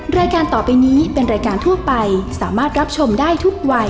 รายการต่อไปนี้เป็นรายการทั่วไปสามารถรับชมได้ทุกวัย